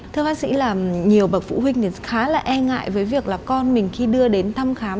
thưa bác sĩ là nhiều bậc phụ huynh khá là e ngại với việc là con mình khi đưa đến thăm khám